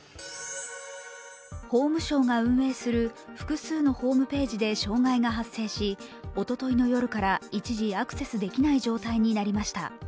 法務省が運営する複数のホームページで障害が発生しおとといの夜から一時アクセスできない状態になりました。